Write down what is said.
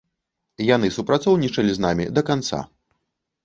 Яны супрацоўнічалі з намі да канца.